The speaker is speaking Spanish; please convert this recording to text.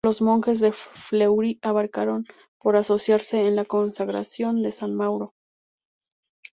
Los monjes de Fleury acabaron por asociarse a la congregación de San Mauro.